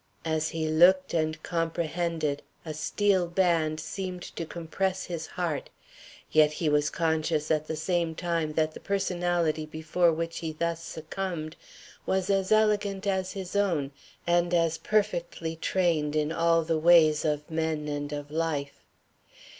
As he looked and comprehended, a steel band seemed to compress his heart; yet he was conscious at the same time that the personality before which he thus succumbed was as elegant as his own and as perfectly trained in all the ways of men and of life.